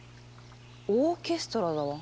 オーケストラだわ。